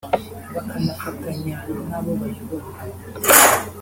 bakanafatanya n’abo bayobora